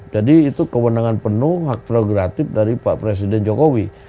jadi itu kewenangan penuh hak progratif dari pak presiden jokowi